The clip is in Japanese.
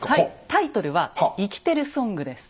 タイトルは「イキテルソング」です。